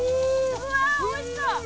うわおいしそう！